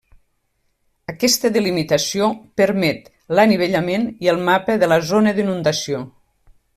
Aquesta delimitació permet l'anivellament i el mapa de la zona d'inundació.